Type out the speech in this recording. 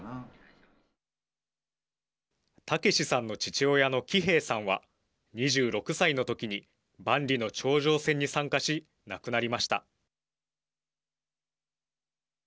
健さんの父親の喜平さんは２６歳の時に万里の長城戦に参加し亡くなりました。